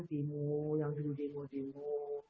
dimu yang dulu dimu dimu